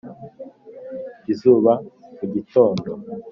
izuba mu gitondo